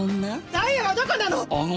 ダイアはどこなの！？